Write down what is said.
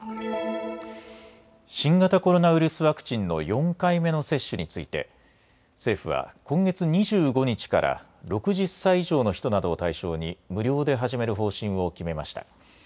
新型コロナウイルスワクチンの４回目の接種について政府は今月２５日から６０歳以上の人などを対象に無料で始める方針を決めました。